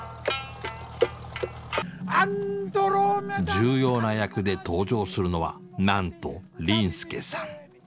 重要な役で登場するのはなんと林助さん。